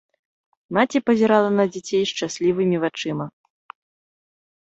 Маці пазірала на дзяцей шчаслівымі вачыма.